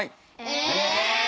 え！